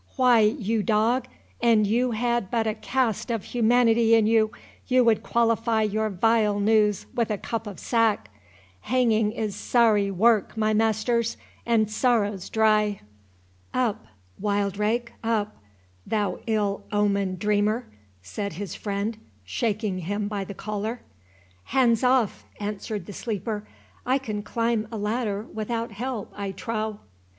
—Why, you dog, an you had but a cast of humanity in you, you would qualify your vile news with a cup of sack;—hanging is sorry work, my masters—and sorrow's dry." "Up, Wildrake—up, thou ill omened dreamer," said his friend, shaking him by the collar. "Hands off!" answered the sleeper.—"I can climb a ladder without help, I trow."